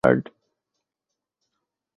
Team, এর্লাড।